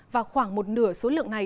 và khoảng một nửa số lượng này